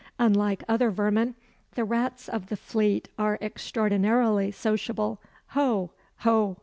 Unlike other vermin, the rats of the Fleet are extraordinarily sociable ho! ho!"